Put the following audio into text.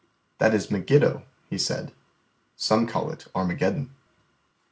"That is Megiddo," he said. "Some call it Armageddon."